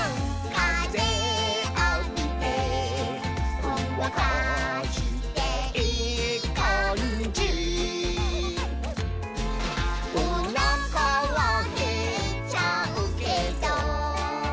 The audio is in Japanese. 「かぜあびてほんわかしていいかんじ」「おなかはへっちゃうけど」